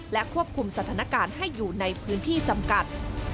และควบคุมสถานการณ์ให้อยู่ในพื้นที่จำกัด